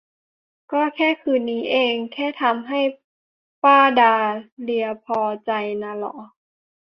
ก็แค่คืนนี้เอง แค่ทำให้ป้าดาเลียพอใจน่ะหรอ